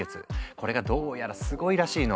これがどうやらすごいらしいの。